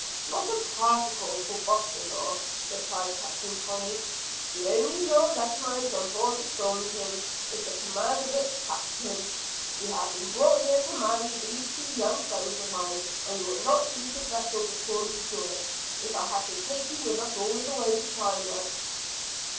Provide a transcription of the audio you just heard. "Not a particle for Boston law," replied Captain Tolley. "The only law recognized on board the Storm King is the command of its Captain. You have been brought here to marry these two young friends of mine; and you will not leave the vessel before you do it if I have to take you with us all the way to China."